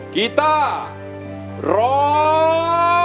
กีต้าร้อง